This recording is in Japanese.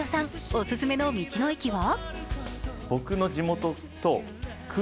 オススメの道の駅は？